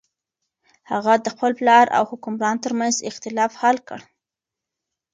هغه د خپل پلار او حکمران تر منځ اختلاف حل کړ.